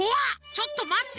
ちょっとまって。